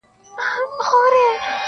یا بارېږه زما له سرایه زما له کوره,